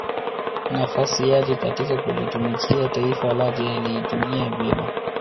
nafasi yake katika kulitumikia taifa lake aliitumia vyema